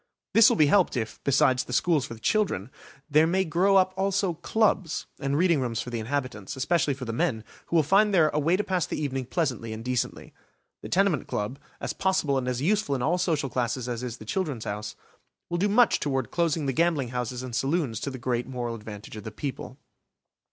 This will be helped if, besides the schools for the children, there may grow up also clubs and reading rooms for the inhabitants, especially for the men, who will find there a way to pass the evening pleasantly and decently. The tenement club, as possible and as useful in all social classes as is the "Children's House", will do much toward closing the gambling houses and saloons to the great moral advantage of the people.